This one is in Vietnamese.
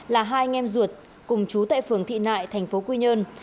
là hai anh em ruột cùng chú tại phường thị nại thành phố quy nhơn